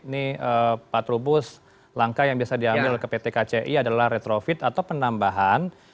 ini pak trubus langkah yang bisa diambil ke pt kci adalah retrofit atau penambahan